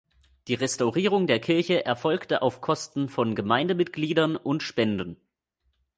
Die Restaurierung der Kirche erfolgte auf Kosten von Gemeindemitgliedern und Spenden.